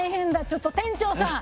ちょっと店長さん！